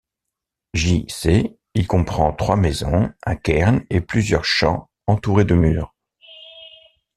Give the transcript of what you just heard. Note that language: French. J-C, il comprend trois maisons, un cairn et plusieurs champs entourés de murs.